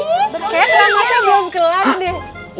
kayaknya keran airnya belum kelar nih